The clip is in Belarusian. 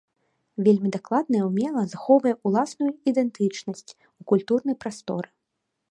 Вельмі дакладна і ўмела захоўвае ўласную ідэнтычнасць у культурнай прасторы.